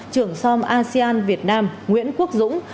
trưởng som asean việt nam nguyễn quốc dũng